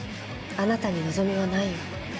あなたに望みはないよ。